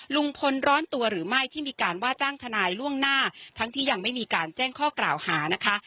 ลุงพลร้อนตัวหรือไม่ที่มีการว่าจ้างทนายล่วงหน้าทั้งที่ยังไม่มีการแจ้งข้อกล่าวหานะคะ